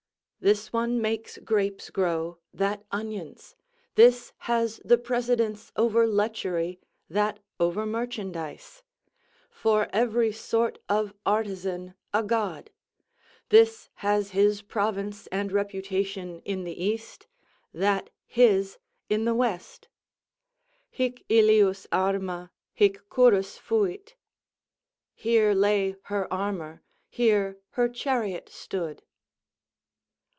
This one makes grapes grow, that onions; this has the presidence over lechery, that over merchandise; for every sort of artisan a god; this has his province and reputation in the east; that his in the west: "Here lay her armour, here her chariot stood."